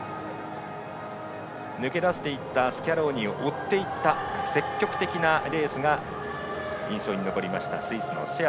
抜け出していったスキャローニを追っていった積極的なレースが印象に残ったスイスのシェア。